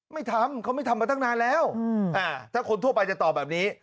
ไม่ทำเขาไม่ทำมาตั้งนานแล้วถ้าคนทั่วไปจะตอบแบบนี้